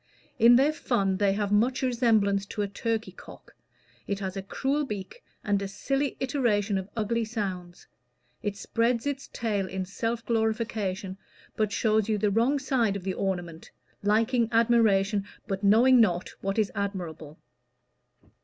In their fun, they have much resemblance to a turkey cock. It has a cruel beak, and a silly iteration of ugly sounds; it spreads its tail in self glorification, but shows you the wrong side of the ornament liking admiration, but knowing not what is admirable."